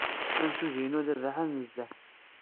Amsujji-inu d abaḥan nezzeh.